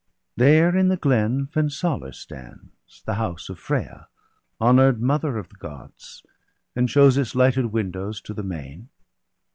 There in the glen Fensaler stands, the house Of Frea, honour'd mother of the Gods, And shews its lighted windows to the main.